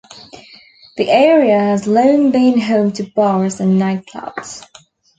The area has long been home to bars and nightclubs.